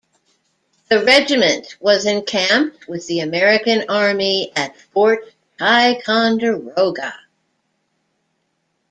The Regiment was encamped with the American Army at Fort Ticonderoga.